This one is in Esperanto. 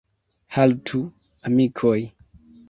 Haltu, amikoj!